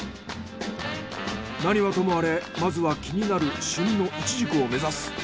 何はともあれまずは気になる旬のイチジクを目指す。